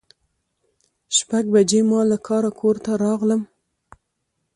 شپږ بجې ما له کاره کور ته راغلم.